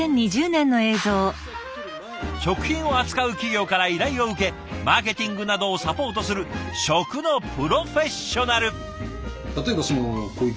食品を扱う企業から依頼を受けマーケティングなどをサポートする食のプロフェッショナル。